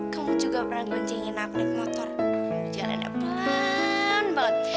kamu juga pernah gonjengin aku naik motor jalan yang pelan banget